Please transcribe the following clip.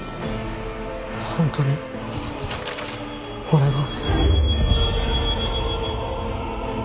本当に俺は。